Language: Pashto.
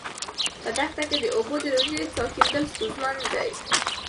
په دښته کې د اوبو د ژورې څاه کیندل ستونزمن دي.